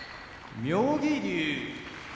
妙義龍